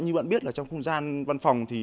như bạn biết là trong không gian văn phòng